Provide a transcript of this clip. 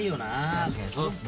確かにそうっすね。